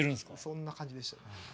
そんな感じでしたね。